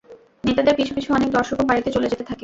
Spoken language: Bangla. নেতাদের পিছু পিছু অনেক দর্শকও বাড়িতে চলে যেতে থাকে।